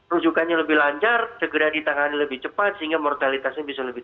rujukannya lebih lancar segera ditangani lebih cepat sehingga mortalitasnya bisa lebih